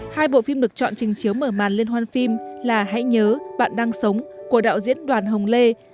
hai bộ phim được chọn trình chiếu mở màn liên hoan phim là hãy nhớ bạn đang sống của đạo diễn đoàn hồng lê